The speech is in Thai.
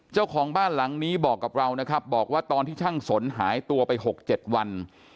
เจ้าของบ้านหลังนี้บอกกับเรานะครับบอกว่าตอนที่ช่างสนหายตัวไป๖๗วัน